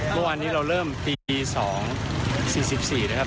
เมื่อวานนี้เราเริ่มตี๒๔๔นะครับ